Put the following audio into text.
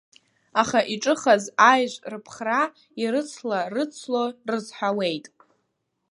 Аха иҿыхаз аеҵә рыԥхра, ирыцла-рыцло, рызҳауеит.